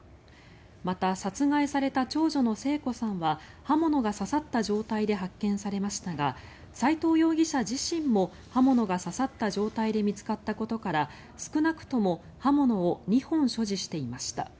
また、殺害された長女の聖子さんは刃物が刺さった状態で発見されましたが齊藤容疑者自身も刃物が刺さった状態で見つかったことから少なくとも刃物を２本所持していました。